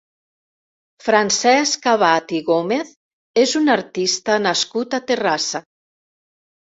Francesc Abad i Gómez és un artista nascut a Terrassa.